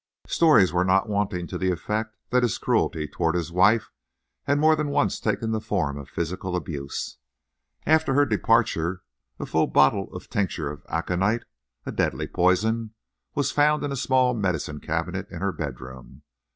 Stories were not wanting to the effect that his cruelty toward his wife had more than once taken the form of physical abuse. After her departure a full bottle of tincture of aconite, a deadly poison, was found in a small medicine cabinet in her bedroom.